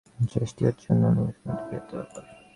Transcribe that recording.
শেষটিই হয়েছে অন্য সবগুলির মধ্যে বৃহৎ ব্যাপার।